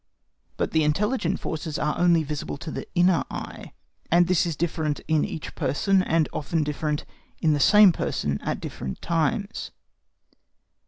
But the intelligent forces are only visible to the inner eye, and this is different in each person, and often different in the same person at different times.